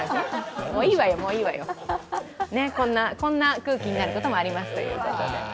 こんな空気になることもありますということで。